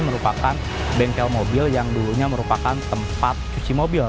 saya melihat tempat yang dikenal sebagai tempat cuci mobil